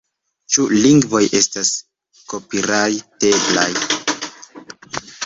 Ĉu lingvoj estas kopirajteblaj